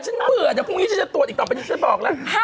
ฉันเบื่อแต่พรุ่งนี้ฉันจะตรวจอีกต่อไปฉันจะบอกละ